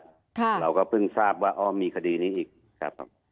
เราก็เพิ่งทราบว่าอ้อมมีคดีนี้อีกครับ